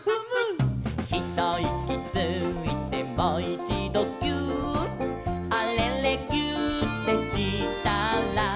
「ひといきついてもいちどぎゅーっ」「あれれぎゅーってしたら」